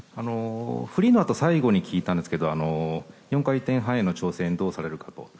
フリーのあと最後に聞いたんですけど４回転半への挑戦をどうされるかと。